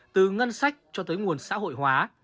từ ngân sách cho tới nguồn xã hội hóa